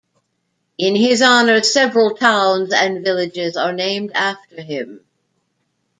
In his honor, several towns and villages are named after him.